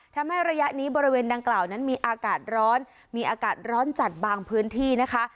ทำให้ระยะนี้บริเวณดังกล่าวนั้นมีอากาศร้อนมีอากาศร้อนจัดบางพื้นที่นะคะ